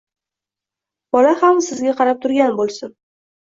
Bola ham sizga qarab turgan bo‘lsin.